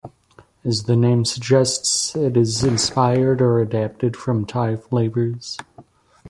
As the name suggests, it is inspired or adapted from Thai flavours.